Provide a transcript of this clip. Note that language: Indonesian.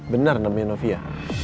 benar namanya nufia